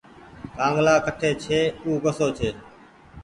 ڪآنگلآ ڪٺي ڇي ۔او ڪسو ڇي۔